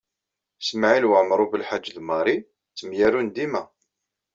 Smawil Waɛmaṛ U Belḥaǧi d Mari ttemyarun dima.